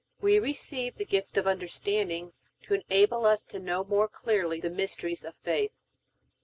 We receive the gift of Understanding to enable us to know more clearly the mysteries of faith.